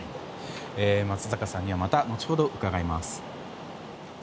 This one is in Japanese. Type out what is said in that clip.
松坂さんにはまた後ほど、伺います。